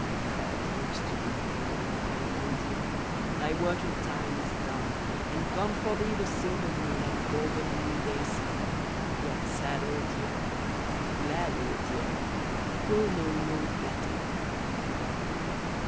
Fair dreams to thee, 0 grey old year, Thy working time is done, And gone for thee the silver moon, And golden noon day sun; Yet sad old year and glad old year We'll know no better one.